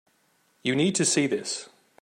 You need to see this.